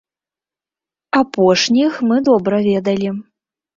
Апошніх мы добра ведалі.